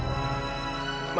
kalau gitu gue permisi dulu ya